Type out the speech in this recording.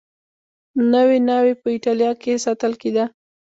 نوې ناوې په اېټالیا کې ساتل کېده